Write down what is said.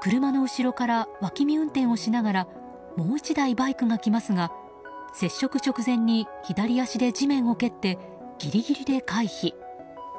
車の後ろから脇見運転をしながらもう１台バイクが来ますが接触直前に左足で地面を蹴ってギリギリで回避。